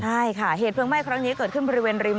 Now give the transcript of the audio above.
ใช่ค่ะเหตุเพลิงไหม้ครั้งนี้เกิดขึ้นบริเวณริม